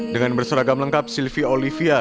dengan berseragam lengkap sylvi olivia